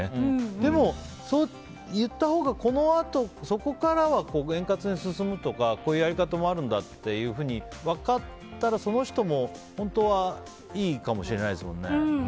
でも、言ったほうが、このあとそこからは円滑に進むとかこういうやり方もあるんだというふうに分かったらその人も本当はいいかもしれないですもんね。